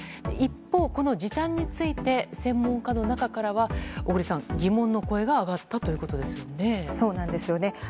一方、時短について専門家の中からは、小栗さん疑問の声が上がったということですよね。